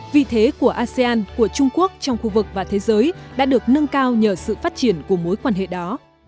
vị thế của asean của trung quốc trong khu vực và thế giới đã được nâng cao nhờ sự phát triển của mối quan hệ đó